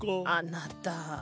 あなた。